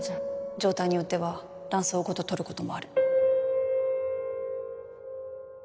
状態によっては卵巣ごととることもある